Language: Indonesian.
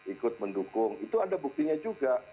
ikut mendukung itu ada buktinya juga